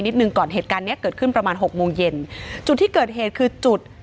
หนึ่งก่อนเหตุการณ์เนี้ยเกิดขึ้นประมาณหกโมงเย็นจุดที่เกิดเหตุคือจุด